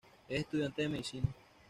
Es estudiante de medicina.